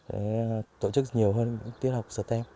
để tổ chức nhiều hơn tiết học stem